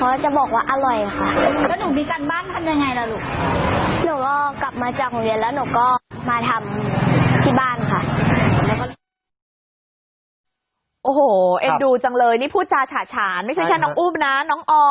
แล้วหนูทำเก็บนานแล้วอย่าง